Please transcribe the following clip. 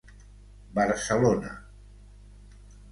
Barcelona: